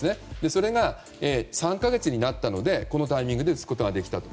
それが、３か月になったのでこのタイミングで打つことができたと。